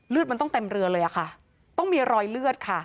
เลือดมันต้องเต็มเรือเลยค่ะต้องมีรอยเลือด